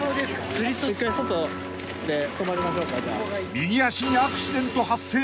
［右足にアクシデント発生。